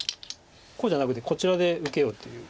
こうじゃなくてこちらで受けようっていう。